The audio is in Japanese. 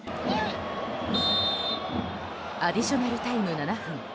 アディショナルタイム７分。